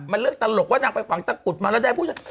มันเลือกตลกว่านางไปฝังตะกุดมาแล้วได้ผู้ชาย